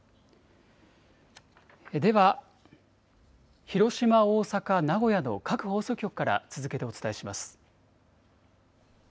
では広島、大阪、名古屋の各放送局から続けてお伝えします。